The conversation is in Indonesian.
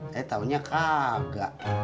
tapi taunya kagak